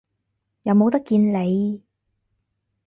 又冇得見你